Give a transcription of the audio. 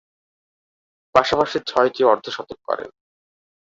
পাশাপাশি ছয়টি অর্ধ-শতক করেন।